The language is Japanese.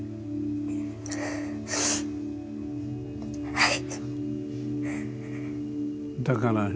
はい。